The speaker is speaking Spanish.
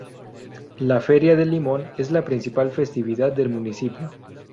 La feria del limón es la principal festividad del municipio.